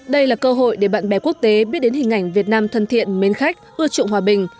đây là cơ hội để bạn bè quốc tế biết đến hình ảnh việt nam thân thiện mến khách ưa chuộng hòa bình